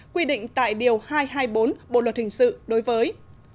quy định tại điều hai trăm hai mươi bốn bộ luật hình sự đối với